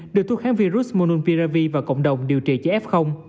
được thuốc kháng virus mononpiravir và cộng đồng điều trị cho f